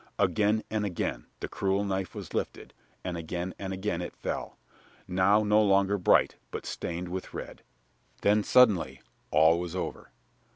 Again and again the cruel knife was lifted, and again and again it fell, now no longer bright, but stained with red. Then, suddenly, all was over.